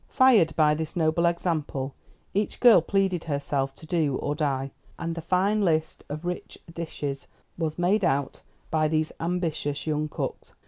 Fired by this noble example, each girl pledged herself to do or die, and a fine list of rich dishes was made out by these ambitious young cooks.